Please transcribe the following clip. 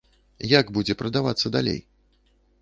Як будзе прадавацца далей?